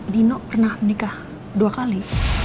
dino pernah menikah dua kali